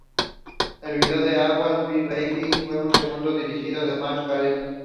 El vídeo de "Always Be My Baby" fue el segundo que dirigió Mariah Carey.